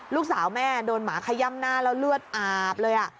ลูกสาวแม่โดนหมาขย่ำหน้าแล้วเลือดอาบเลย